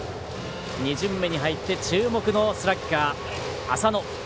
２巡目に入って注目のスラッガー、浅野。